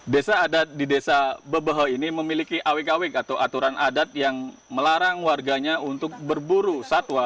desa adat di desa beboho ini memiliki awik awik atau aturan adat yang melarang warganya untuk berburu satwa